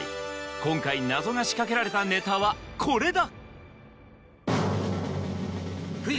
今回謎が仕掛けられたネタはこれだ